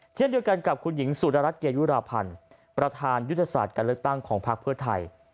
เช่นเดียวกันกับคุณหญิงสุดรรัฐเกยุราพันธ์ประธานยุทธศาสตร์การเลือกตั้งของพักเพื่อไทย